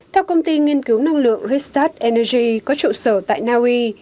theo công ty nghiên cứu năng lượng ristat energy có trụ sở tại naui